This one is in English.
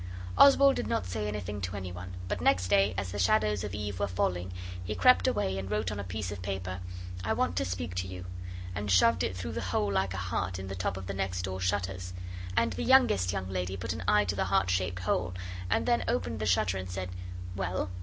Oswald did not say anything to any one, but next day, as the shadows of eve were falling, he crept away, and wrote on a piece of paper, 'I want to speak to you,' and shoved it through the hole like a heart in the top of the next door shutters. And the youngest young lady put an eye to the heart shaped hole, and then opened the shutter and said 'Well?